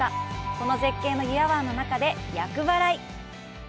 この絶景の油谷湾の中で厄払い！